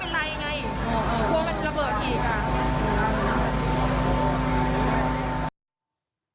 ตัวเองไม่เป็นไรไง